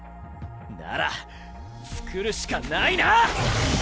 なら作るしかないな！